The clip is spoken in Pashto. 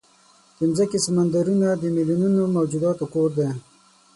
د مځکې سمندرونه د میلیونونو موجوداتو کور دی.